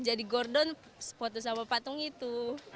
jadi gordon foto sama patung itu